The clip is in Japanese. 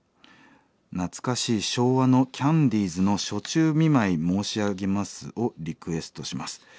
懐かしい昭和のキャンディーズの『暑中見舞い申し上げます』をリクエストします。